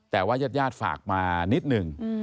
แต่ว่าญาติญาติฝากมานิดนึง